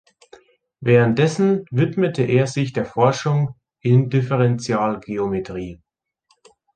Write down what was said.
Währenddessen widmete er sich der Forschung in Differentialgeometrie.